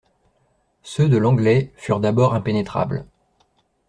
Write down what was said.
Ceux de l'Anglais furent d'abord impénétrables.